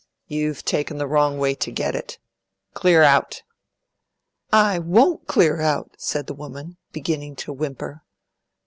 "You've taken the wrong way to get it. Clear out!" "I WON'T clear out!" said the woman, beginning to whimper.